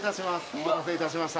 お待たせいたしました